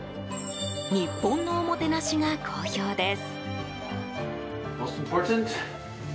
日本のおもてなしが好評です。